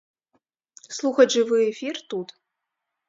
Слухаць жывы эфір тут.